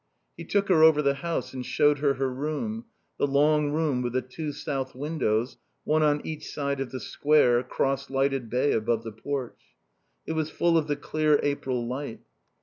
He took her over the house and showed her her room, the long room with the two south windows, one on each side of the square, cross lighted bay above the porch. It was full of the clear April light.